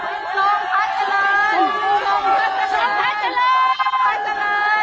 สงฆาตเจริญสงฆาตเจริญสงฆาตเจริญ